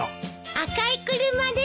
赤い車です。